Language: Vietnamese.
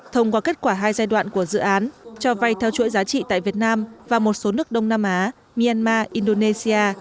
thông qua kết quả hai giai đoạn của dự án cho vay theo chuỗi giá trị tại việt nam và một số nước đông nam á myanmar indonesia